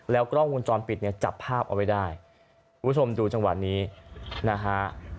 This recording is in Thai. กล้องวงจรปิดเนี่ยจับภาพเอาไว้ได้คุณผู้ชมดูจังหวะนี้นะฮะ